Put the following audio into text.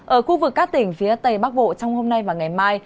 ở khu vực các tỉnh phía tây bắc bộ trong hôm nay và ngày mai